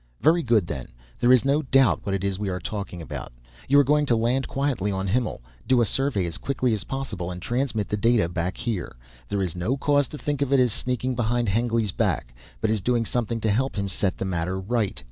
"Very good then, there is no doubt what it is we are talking about. You are going to land quietly on Himmel, do a survey as quickly as possible and transmit the data back here. There is no cause to think of it as sneaking behind Hengly's back, but as doing something to help him set the matter right.